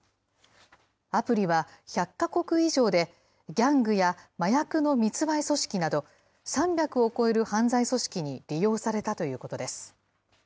アプリは１００か国以上でギャングや麻薬の密売組織など、３００を超える犯罪組織に利用されたということです。